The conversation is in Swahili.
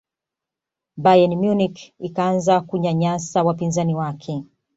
bayern munich ikaanza kunyanyasa wapinzani wake